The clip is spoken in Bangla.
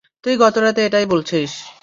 তুই গতরাতে এটাই বলেছিস।